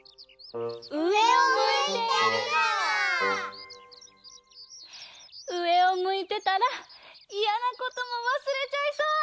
うえをむいてたらいやなこともわすれちゃいそう！